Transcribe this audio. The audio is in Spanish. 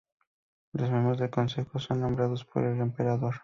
Los miembros del Consejo son nombrados por el emperador.